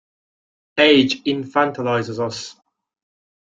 Age infantilizes us.